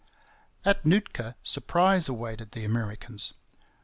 At Nootka surprise awaited the Americans.